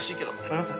撮ります。